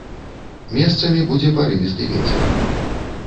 Месцамі будзе парывісты вецер.